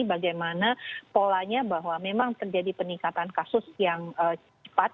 bagaimana polanya bahwa memang terjadi peningkatan kasus yang cepat